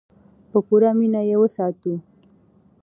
په پوره مینه یې وساتو.